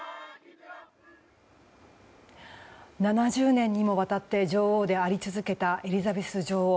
７０年にもわたって女王であり続けたエリザベス女王。